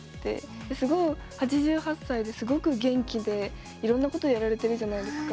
すごい８８歳で、すごく元気でいろんなことやられてるじゃないですか。